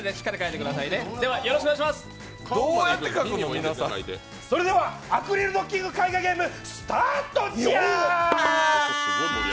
三島それでは「アクリルドッキング絵画ゲーム」スタートじゃ。